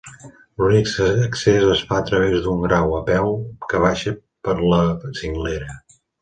L'únic accés es fa a través d'un grau, a peu, que baixa per la cinglera.